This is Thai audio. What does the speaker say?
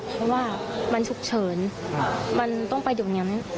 เพราะว่ามันฉุกเฉินมันต้องไปเดี๋ยวนี้